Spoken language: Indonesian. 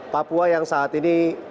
papua yang saat ini